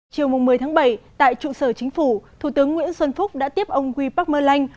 chiều một mươi tháng bảy tại trụ sở chính phủ thủ tướng nguyễn xuân phúc đã tiếp ông huy park mơ lanh